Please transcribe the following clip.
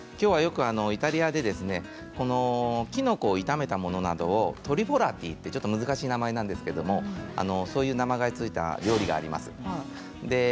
イタリアできのこを炒めたものなどをトリフォラーティという難しい名前なんですけれどそういう名前が付いた料理があります。